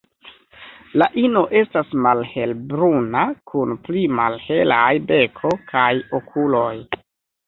La ino estas malhelbruna kun pli malhelaj beko kaj okuloj.